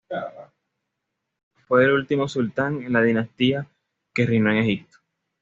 Fue el último sultán de la dinastía que reinó en Egipto.